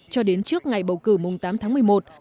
cho đến trước ngày bầu cử mùng tám tháng một mươi một